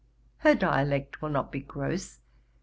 Her dialect will not be gross.